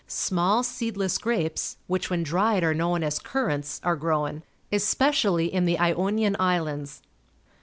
Small, seedless grapes, which when dried are known as currants, are grown, especially in the Ionian Islands.